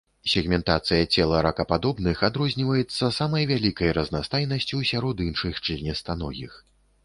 Сегментацыя цела ракападобных адрозніваецца самай вялікай разнастайнасцю сярод іншых членістаногіх.